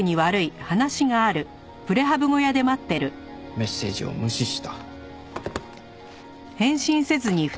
メッセージを無視した。